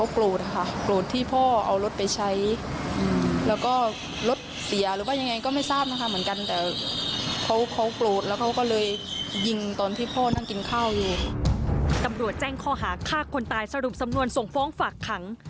ตำรวจแจ้งข้อหาฆ่าคนตายสรุปสำนวนส่งฟ้องฝากขัง